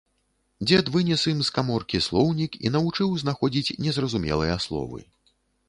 Дзед вынес ім з каморкі слоўнік і навучыў знаходзіць незразумелыя словы.